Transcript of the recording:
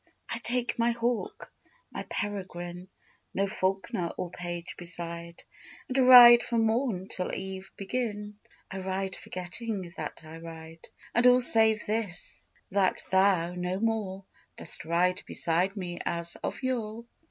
I take my hawk, my peregrine No falconer or page beside And ride from morn till eve begin; I ride forgetting that I ride, And all save this: that thou no more Dost ride beside me as of yore.